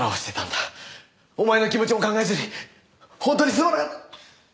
お前の気持ちも考えずに本当にすまない！